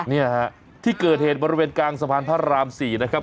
เนี่ยฮะที่เกิดเหตุบริเวณกลางสะพานพระราม๔นะครับ